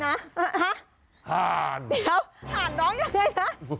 ห่านเรียกว่ายังไงห่านร้องยังไง